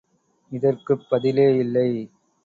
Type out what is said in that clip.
இதற்குப் பதிலே இல்லை!